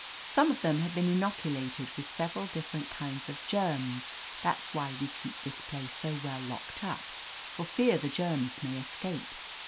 "Some of them have been inoculated with several differ ent kinds of germs. That's why we keep this place so well locked up, for fear the germs may escape.